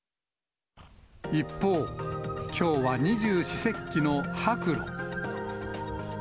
一方、きょうは二十四節気の白露。